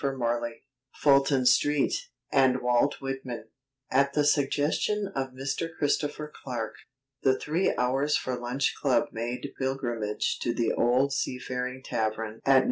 FULTON STREET, AND WALT WHITMAN At the suggestion of Mr. Christopher Clarke, the Three Hours for Lunch Club made pilgrimage to the old seafaring tavern at No.